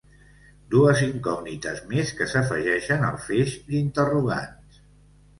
Dues incògnites més que s’afegeixen al feix d’interrogants.